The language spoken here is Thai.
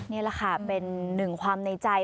นี่แหละค่ะเป็นหนึ่งความในใจ